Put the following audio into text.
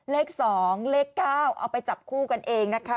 เลข๒เลข๙เอาไปจับคู่กันเองนะคะ